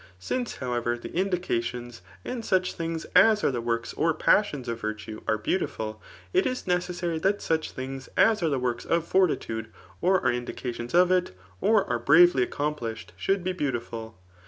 Since, however^ the indications, and such things us are the works or passions' of Tirtue, are beautiful^ it }s necessary that such things as are the works of foni* f Mde, or are indications of ir» or are bravely accopiplished ^ottld be beautiful.